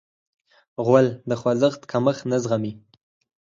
غول د خوځښت کمښت نه زغمي.